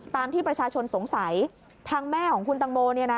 ตามที่ประชาชนสงสัยทางแม่ของคุณตังโม